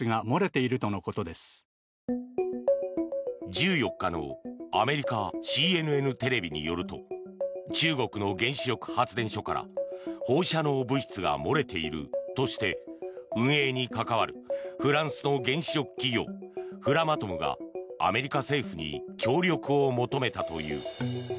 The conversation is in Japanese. １４日のアメリカ・ＣＮＮテレビによると中国の原子力発電所から放射能物質が漏れているとして運営に関わるフランスの原子力企業フラマトムがアメリカ政府に協力を求めたという。